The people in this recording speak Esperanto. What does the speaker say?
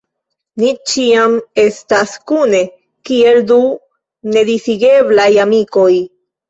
Ni ĉiam estas kune, kiel du nedisigeblaj amikoj.